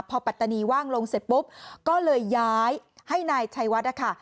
พอปัตตานีว่างลงเสร็จปุ๊บก็เลยย้ายให้นายชัยวัดนะคะ